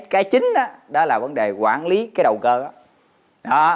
cái chính đó là vấn đề quản lý cái đầu cơ đó